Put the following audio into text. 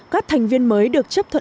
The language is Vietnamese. các thành viên mới được chấp thuận